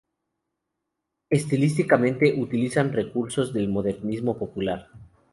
Estilísticamente, utilizan recursos del modernismo popular.